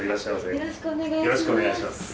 よろしくお願いします。